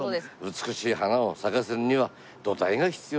「美しい花を咲かせるには土台が必要です」